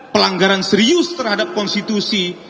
pelanggaran serius terhadap konstitusi